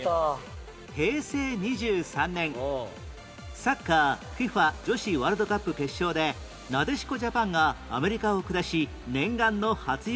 平成２３年サッカー ＦＩＦＡ 女子ワールドカップ決勝でなでしこジャパンがアメリカを下し念願の初優勝